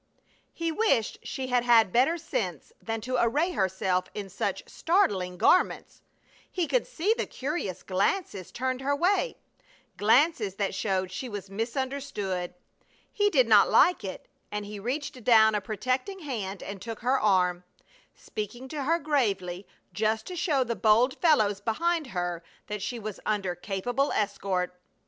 He wished she had had better sense than to array herself in such startling garments. He could see the curious glances turned her way; glances that showed she was misunderstood. He did not like it, and he reached down a protecting hand and took her arm, speaking to her gravely, just to show the bold fellows behind her that she was under capable escort.